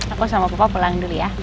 aku sama papa pulang dulu ya